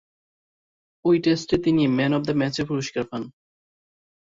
ঐ টেস্টে তিনি ম্যান অব দ্য ম্যাচের পুরস্কার পান।